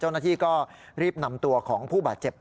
เจ้าหน้าที่ก็รีบนำตัวของผู้บาดเจ็บ